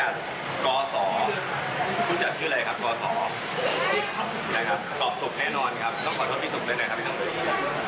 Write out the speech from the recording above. คุณตอบสุกแน่นอนครับต้องขอโทษพี่สุกด้วยนะครับพี่ตำรวจ